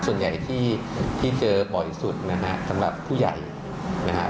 ส่วนใหญ่ที่เจอบ่อยสุดนะฮะสำหรับผู้ใหญ่นะฮะ